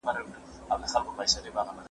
اشرف المخلوقات باید خپل ارزښت وپیژني.